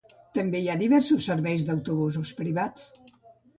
També hi ha diversos serveis d'autobusos privats.